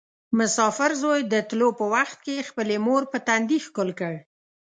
مسافر زوی د تلو په وخت کې خپلې مور په تندي ښکل کړ.